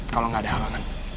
kalo gak ada halangan